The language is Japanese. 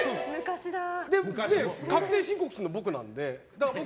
確定申告するの僕なので。